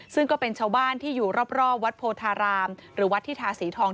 ซึ่งก็เป็นชาวบ้านที่อยู่รอบวัดโพธารามหรือวัดที่ทาสีทอง